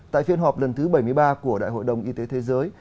tại phiên họp lần thứ bảy mươi ba của đại hội đồng y tế thế giới